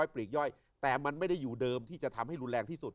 ปลีกย่อยแต่มันไม่ได้อยู่เดิมที่จะทำให้รุนแรงที่สุด